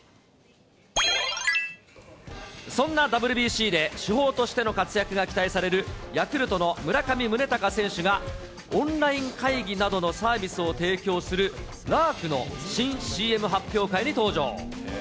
そんなＷＢＣで、主砲としての活躍が期待されるヤクルトの村上宗隆選手が、オンライン会議などのサービスを提供するＬａｒｋの新ＣＭ発表会に登場。